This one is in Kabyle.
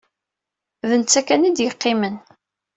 D netta kan ay d-yeqqimen.